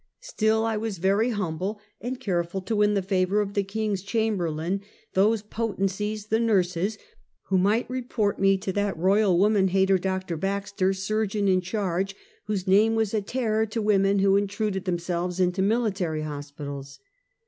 Still I was very humble and careful to win the favor of " the King's Chamberlain "— those potencies, the nurses, who might report me to that Royal woman hater. Dr. Baxter, surgeon in charge, whose name was a terror to women who intruded themselves into military hospitals.